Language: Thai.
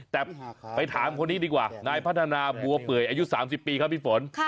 แต่ไปถามคนนี้ดีกว่านายพัฒนาบัวเปื่อยอายุ๓๐ปีครับพี่ฝน